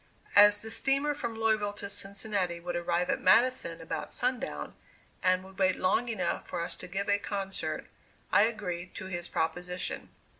As the steamer from Louisville to Cincinnati would arrive at Madison about sundown, and would wait long enough for us to give a concert, I agreed to his proposition.